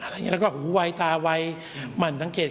แล้วก็หูไวตาไวมันสังเกต